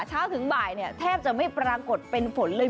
เช้าถึงบ่ายแทบจะไม่ปรากฏเป็นฝนเลย